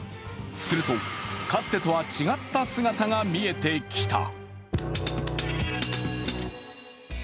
すると、かつてとは違った姿が見えてきた。